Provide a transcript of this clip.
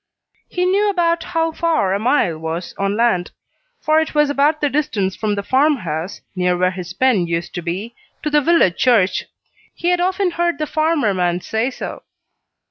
He knew about how far a mile was on land, for it was about the distance from the farmhouse, near where his pen used to be, to the village church. He had often heard the farmer man say so.